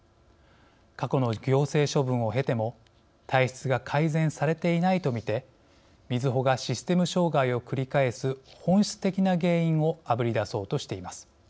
過去の行政処分を経ても体質が改善されていないと見てみずほがシステム障害を繰り返す本質的な原因をあぶり出そうとしています。